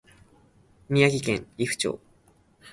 宮城県利府町